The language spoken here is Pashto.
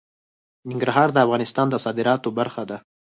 ننګرهار د افغانستان د صادراتو برخه ده.